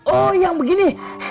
ohh yang begini